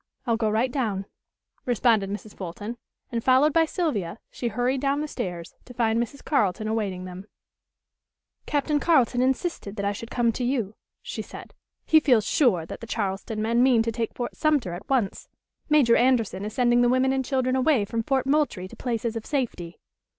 I'll go right down," responded Mrs. Fulton, and, followed by Sylvia, she hurried down the stairs, to find Mrs. Carleton awaiting them. "Captain Carleton insisted that I should come to you," she said. "He feels sure that the Charleston men mean to take Fort Sumter at once. Major Anderson is sending the women and children away from Fort Moultrie to places of safety."